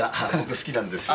好きなんですよ。